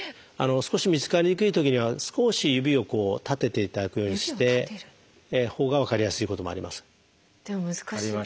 少し見つかりにくいときには少し指を立てていただくようにしてほうが分かりやすいこともあります。